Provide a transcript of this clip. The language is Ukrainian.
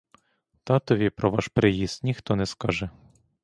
Татові про ваш приїзд ніхто не скаже.